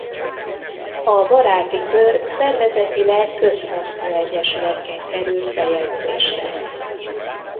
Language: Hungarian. A Baráti Kör szervezetileg közhasznú egyesületként került bejegyzésre.